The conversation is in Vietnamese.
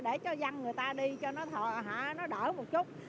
để cho dân người ta đi cho nó đổi một chút